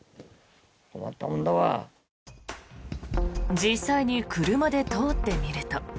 実際に車で通ってみると。